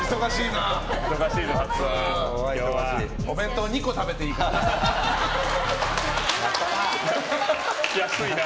今日はお弁当２個食べていいからな。